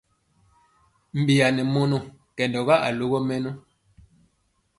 Bi a nɛ mamɔ kɛndɔga alogɔ mɛnɔ.